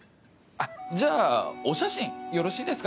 じゃあお写真よろしいですか？